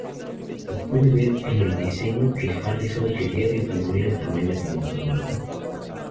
Se puede ver en el diseño que Harrison quería disminuir el tamaño del instrumento.